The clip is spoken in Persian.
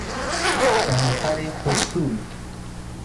شوهر حسود